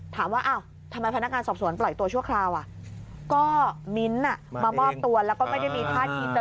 ถามว่าอ้าวทำไมพนักงานสอบสวนปล่อยตัวชั่วคราวอ่ะก็มิ้นท์มามอบตัวแล้วก็ไม่ได้มีท่าทีจะ